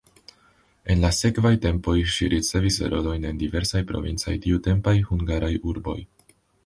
En la sekvaj tempoj ŝi ricevis rolojn en diversaj provincaj tiutempaj hungaraj urboj.